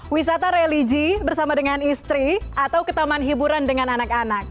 wisata religi bersama dengan istri atau ketaman hiburan dengan anak anak